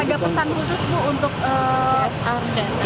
ada pesan khusus bu untuk argenti